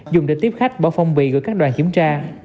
dùng để tiếp khách bỏ phòng bị gửi các đoàn kiểm tra